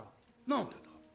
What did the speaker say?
何でだ？